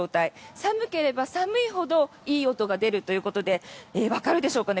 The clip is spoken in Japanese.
寒ければ寒いほどいい音が出るということでわかるでしょうかね